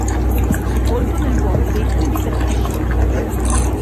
Fu sepolto nel duomo vecchio di Brescia.